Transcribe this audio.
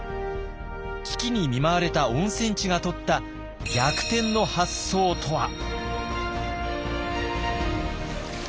危機に見舞われた温泉地がとった逆転の発想とは？